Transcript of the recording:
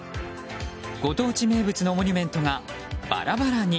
ご当地名物のモニュメントがバラバラに。